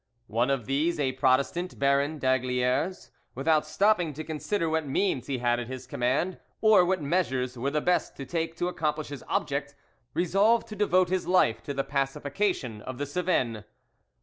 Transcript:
One of these, a Protestant, Baron d'Aygaliers, without stopping to consider what means he had at his command or what measures were the best to take to accomplish his object, resolved to devote his life to the pacification of the Cevennes.